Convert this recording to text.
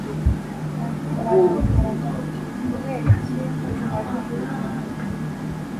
david arongera ati kuberiki umbajije utyo!